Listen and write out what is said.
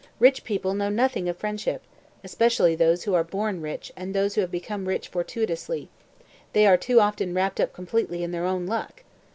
Rich people know nothing of friendship! especially those who are born rich and those who have become rich fortuitously, they are too often wrapped up completely in their own luck!